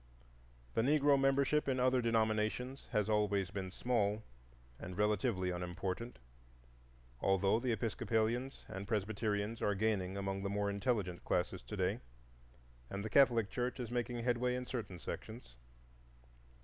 The Negro membership in other denominations has always been small and relatively unimportant, although the Episcopalians and Presbyterians are gaining among the more intelligent classes to day, and the Catholic Church is making headway in certain sections.